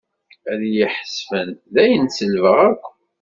Ad iyi-ḥesben dayen selbeɣ akk.